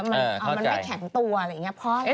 มันไม่แข็งตัวอะไรอย่างนี้